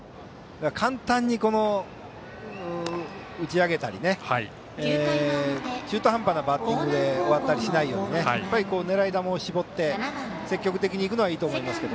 簡単に打ち上げたり中途半端なバッティングで終わったりしないように狙い球を絞って積極的にいくのがいいですね。